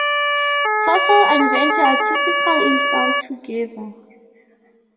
Fossil and Venti are typically installed together.